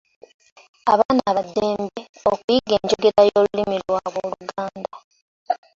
Abaana ba ddembe okuyiga enjogera y’olulimi lwabwe Oluganda.